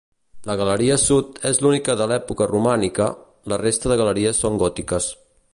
La galeria sud és l'única de l'època romànica, la resta de galeries són gòtiques.